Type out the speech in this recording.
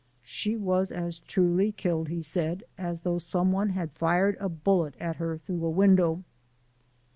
"She was as truly killed," he said, "as though some one had fired a bullet at her through a window."